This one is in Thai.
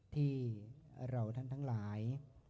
ที่เราทั้งหลาย